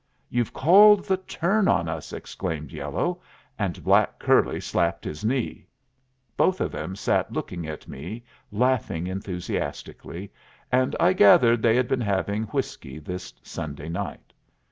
"You've called the turn on us!" exclaimed yellow, and black curly slapped his knee. Both of them sat looking at me, laughing enthusiastically, and I gathered they had been having whiskey this Sunday night.